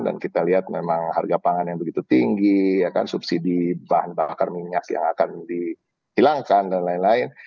dan kita lihat memang harga pangan yang begitu tinggi subsidi bahan bakar minyak yang akan dihilangkan dan lain lain